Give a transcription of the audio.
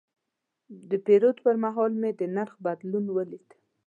د پیرود پر مهال مې د نرخ بدلون ولید.